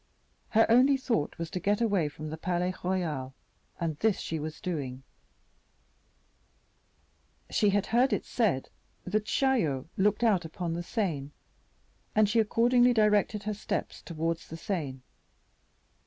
Her only thought was to get away from the Palais Royal, and this she was doing; she had heard it said that Chaillot looked out upon the Seine, and she accordingly directed her steps towards the Seine.